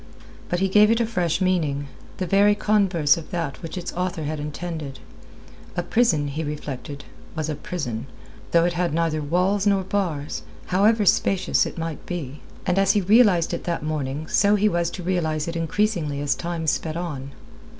But he gave it a fresh meaning, the very converse of that which its author had intended. A prison, he reflected, was a prison, though it had neither walls nor bars, however spacious it might be. And as he realized it that morning so he was to realize it increasingly as time sped on.